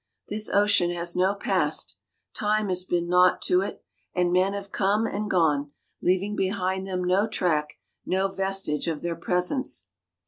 This ocean has no past; time has been nought to it, and men have come and gone, leaving behind them no track, no vestige of their presence.